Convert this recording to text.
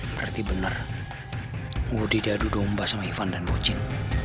berarti bener gue tidak dudung sama ivan dan bocin